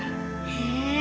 へえ。